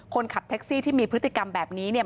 คนขับแท็กซี่ที่มีพฤติกรรมแบบนี้เนี่ย